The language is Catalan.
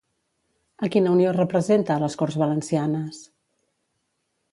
A quina unió representa a les Corts Valencianes?